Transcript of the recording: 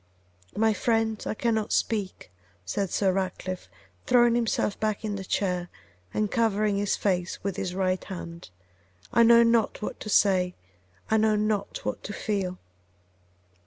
'My friend, I cannot speak,' said Sir Ratcliffe, throwing himself back in the chair and covering his face with his right hand; 'I know not what to say; I know not what to feel.